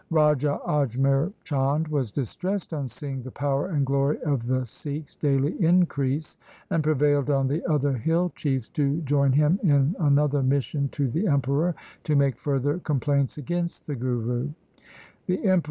Raja Ajmer Chand was distressed on seeing the power and glory of the Sikhs daily increase, and prevailed on the other hill chiefs to join him in another mission to the Emperor to make further complaints against the Guru.